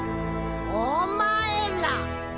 お前ら。